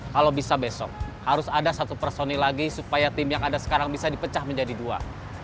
kalau bisa besok harus ada satu personil lagi supaya tim yang ada sekarang bisa dipecah menjadi dua